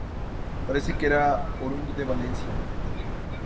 Parece que era oriundo de Valencia.